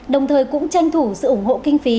đồng thời cũng tranh thủ sự ủng hộ kinh phí